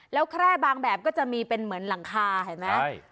แล้วแคร่บางแบบก็จะมีเป็นเหมือนหลังคาเห็นไหม